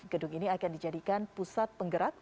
gedung ini akan dijadikan pusat penggerak